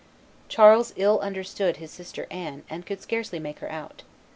Charles ill understood his sister Anne, and could scarcely make her out.